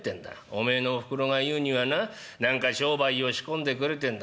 おめえのおふくろが言うにはな何か商売を仕込んでくれてんだ。